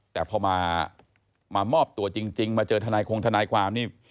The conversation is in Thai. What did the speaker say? แต่พอมามอบตัวจริงมาเจอทนายคงทนายความนี่